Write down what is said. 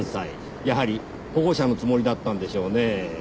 やはり保護者のつもりだったんでしょうねぇ。